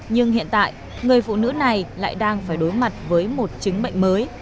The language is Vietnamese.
nhưng hiện tại người phụ nữ này lại đang phải đối mặt với một chứng bệnh mới